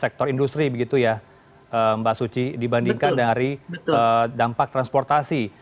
sektor industri begitu ya mbak suci dibandingkan dari dampak transportasi